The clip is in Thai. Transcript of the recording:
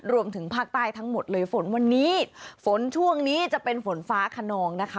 รวมถึงภาคใต้ทั้งหมดเลยฝนวันนี้ฝนช่วงนี้จะเป็นฝนฟ้าขนองนะคะ